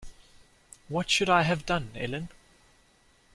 What should I have done, Ellen?